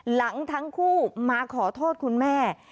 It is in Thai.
หลังทั้งคู่มาขอโทษคุณแม่